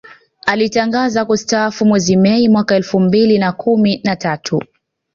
Alitangaza kustaafu mwezi Mei mwaka elfu mbili na kumi na tatu